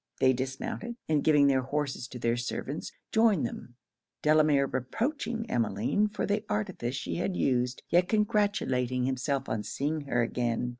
They dismounted, and giving their horses to their servants, joined them; Delamere reproaching Emmeline for the artifice she had used, yet congratulating himself on seeing her again.